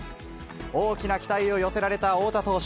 大きな期待を寄せられた翁田投手。